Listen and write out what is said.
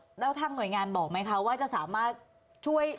แล้วทางหน่วยงานบอกไหมคะว่าจะสามารถช่วย